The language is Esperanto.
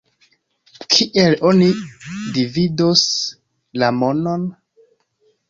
Kiel oni dividos la monon?